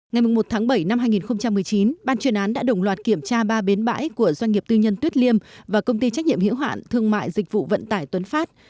ngày một tháng bảy năm hai nghìn một mươi chín ban chuyên án đã đồng loạt kiểm tra ba bến bãi của doanh nghiệp tư nhân tuyết liêm và công ty trách nhiệm hiểu hạn thương mại dịch vụ vận tải tuấn phát